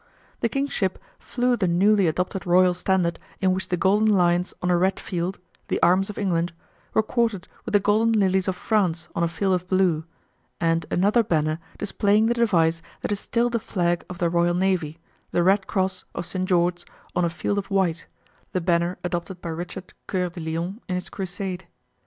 The King's ship flew the newly adopted royal standard in which the golden lions on a red field, the arms of England, were quartered with the golden lilies of France on a field of blue, and another banner displaying the device that is still the flag of the Royal Navy, the Red Cross of St. George on a field of white, the banner adopted by Richard Coeur de Lion in his Crusade.